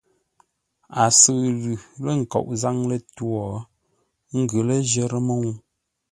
A sʉʉ lʉ lə̂ nkoʼ zâŋ lətwǒ, ə́ ngʉ ləjərə́ mə́u.